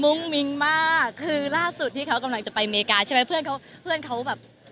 มุ่งมิ่งมากคือล่าสุดที่เขากำลังจะไปอเมริกาใช่ไหมเพื่อนเขาแบบ